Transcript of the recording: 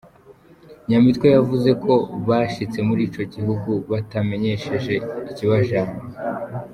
Nyamitwe yavuze ko bashitse muri ico gihugu batamenyesheje ikibazanye.